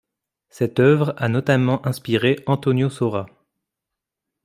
Cette œuvre a notamment inspiré Antonio Saura.